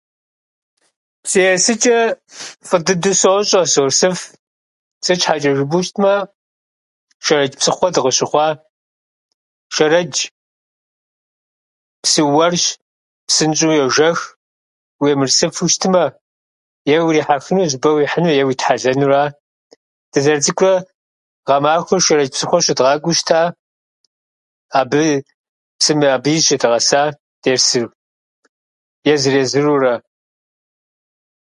Псы есыкӏэ фӏы дыдэу сощӏэ, сорсыф. Сыт щхьэкӏэ жыпӏэу щытмэ, Шэрэдж псыхъуэ дыкъыщыхъуа, Шэрэдж псы уэрщ, псынщӏэу йожэх. Уемырсыфу щытмэ, е урихьэхыну, е зы щӏыпӏэ уихьыну, е уитхьэлэнура. Дызэрыцӏыкӏурэ гъэмахуэр Шэрэдж псыхъуэм щыдгъакӏуэу щыта. Абы псым абы зыщедгъэса дерсу езыр-езырурэ.